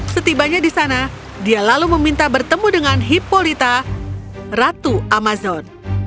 setibanya di sana dia lalu meminta bertemu dengan hippolita ratu amazon